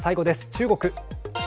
中国。